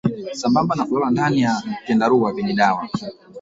Sambamba na kulala ndani ya vyandarua vyenye dawa